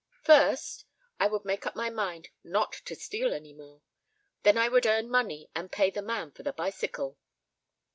"First, I would make up my mind not to steal any more, then I would earn money and pay the man for the bicycle."